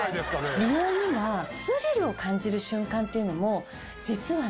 美容にはスリルを感じる瞬間っていうのも実はね